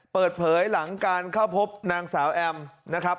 เปิดเผยหลังการเข้าพบนางสาวแอมนะครับ